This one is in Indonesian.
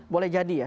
boleh jadi ya